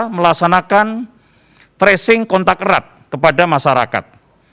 melaksanakan tracing kontak erat kepada masyarakat